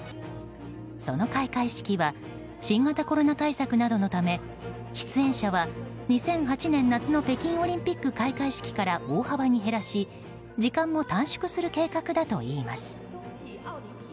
その開会式は新型コロナ対策などのため出演者は２００８年夏の北京オリンピック開会式から大幅に減らし時間も短縮する計画だといいます。